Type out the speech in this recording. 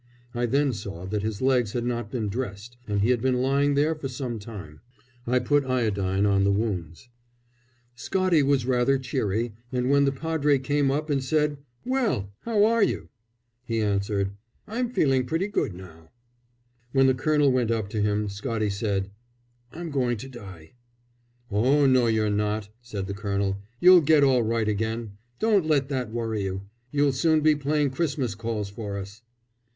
I then saw that his legs had not been dressed and he had been lying there for some time. I put iodine on the wounds. [Illustration: To face p. 74. THE DARDANELLES: CARRYING WOUNDED TO A HOSPITAL SHIP.] Scottie was rather cheery, and when the padre came up and said, "Well, how are you?" he answered, "I'm feeling pretty good now." When the colonel went up to him, Scottie said, "I'm going to die!" "Oh no, you're not," said the colonel. "You'll get all right again. Don't let that worry you. You'll soon be playing Christmas Calls for us."